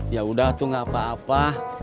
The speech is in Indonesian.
yaudah tuh gapapa